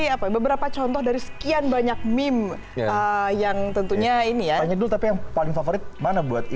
berarti apa berarti apa berarti apa berarti apa berarti apa berarti apa berarti apa berarti apa berarti